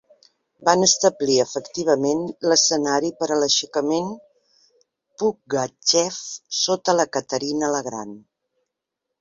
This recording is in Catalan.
Van establir efectivament l'escenari per a l'aixecament Pugachev sota la Caterina la gran.